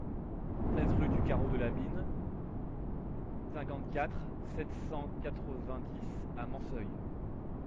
treize rue du Carreau de la Mine, cinquante-quatre, sept cent quatre-vingt-dix à Mancieulles